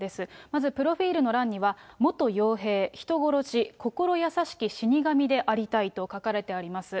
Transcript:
まず、プロフィールの欄には、元傭兵、人殺し、心優しき死神でありたいと書かれてあります。